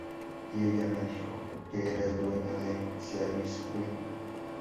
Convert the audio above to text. Y ella me dijo que era el dueño de Seabiscuit.